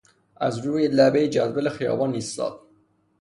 او روی لبهی جدول خیابان ایستاد.